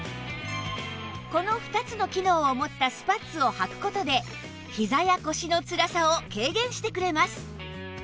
この２つの機能を持ったスパッツをはく事でひざや腰のつらさを軽減してくれます